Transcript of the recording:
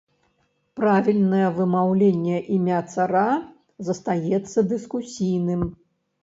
Правільнае вымаўленне імя цара застаецца дыскусійным.